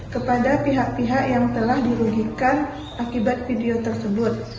kepada pihak pihak yang telah dirugikan akibat video tersebut